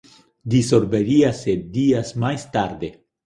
Disolveríase días máis tarde.